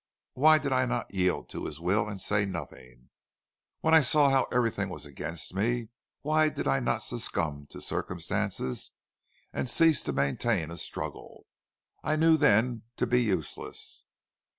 "Why did I not yield to his will and say nothing? When I saw how everything was against me, why did I not succumb to circumstances, and cease to maintain a struggle I knew then to be useless?